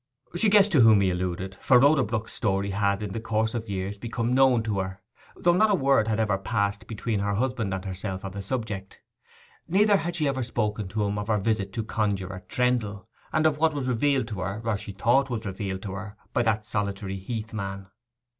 She guessed to whom he alluded; for Rhoda Brook's story had in the course of years become known to her; though not a word had ever passed between her husband and herself on the subject. Neither had she ever spoken to him of her visit to Conjuror Trendle, and of what was revealed to her, or she thought was revealed to her, by that solitary heath man.